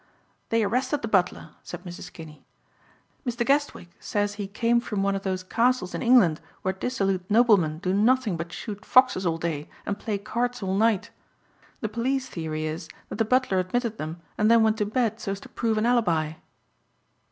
"They arrested the butler," said Mrs. Kinney. "Mr. Guestwick says he came from one of those castles in England where dissolute noblemen do nothing but shoot foxes all day and play cards all night. The police theory is that the butler admitted them and then went bed so as to prove an alibi."